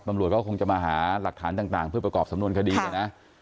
ตำรวจก็คงจะมาหาหลักฐานต่างเพื่อประกอบสำนวนคดีนะ